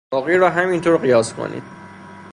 باقی را همینطور قیاس کنید!